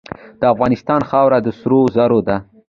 د افغانستان خاوره د سرو زرو ده.